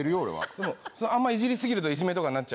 でもあんまイジりすぎるといじめとかになっちゃうよ。